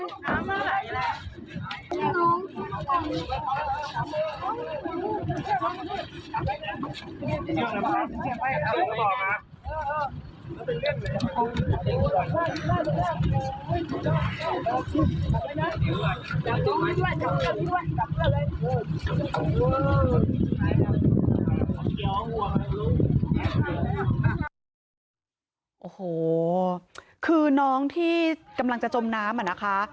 โอ้โหคือน้องที่กำลังจะจมน้ำอะนะคะ